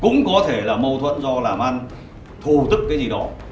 cũng có thể là mâu thuẫn do làm ăn thu tức cái gì đó